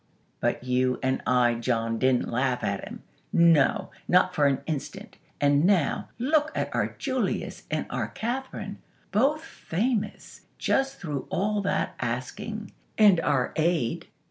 But, you and I, John, didn't laugh at him. No, not for an instant. And now look at our Julius and our Kathlyn; both famous, just through all that asking; and our aid.